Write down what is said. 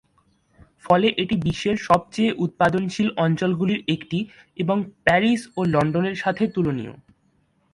ফলে এটি বিশ্বের সবচেয়ে উৎপাদনশীল অঞ্চলগুলির একটি এবং প্যারিস ও লন্ডনের সাথে তুলনীয়।